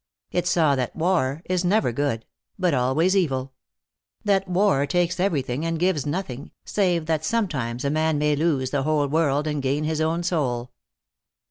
It saw that war is never good, but always evil; that war takes everything and gives nothing, save that sometimes a man may lose the whole world and gain his own soul.